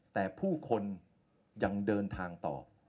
แต่ผู้คนยังเดินทางต่อ